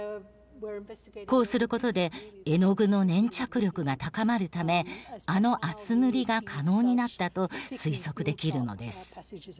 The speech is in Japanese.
こうすることで絵の具の粘着力が高まるためあの厚塗りが可能になったと推測できるのです。